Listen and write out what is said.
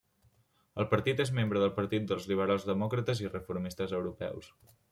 El partit és membre del Partit dels Liberals Demòcrates i Reformistes Europeus.